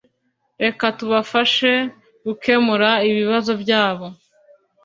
reka tubafashe gukemura ibibazo byabo